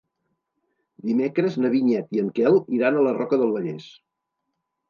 Dimecres na Vinyet i en Quel iran a la Roca del Vallès.